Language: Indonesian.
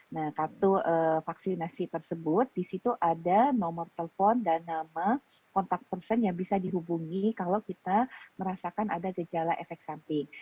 nah kartu vaksinasi tersebut disitu ada nomor telepon dan nama kontak person yang bisa dihubungi kalau kita merasakan ada gejala efek samping